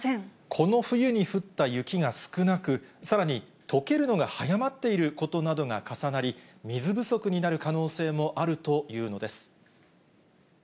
この冬に降った雪が少なく、さらにとけるのが早まっていることなどが重なり、水不足になる可能性もあるというのです。